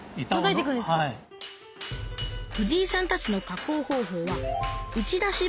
藤井さんたちの加工方法は打ち出し